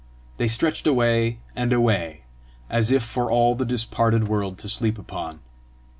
They stretched away and away, as if for all the disparted world to sleep upon.